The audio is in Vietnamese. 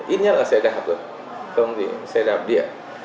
ít nhất là xe đạp rồi không thì xe đạp điện